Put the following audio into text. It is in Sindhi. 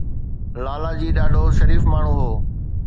لالاجي ڏاڍو شريف ماڻهو هو